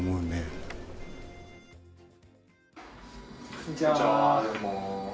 こんにちは。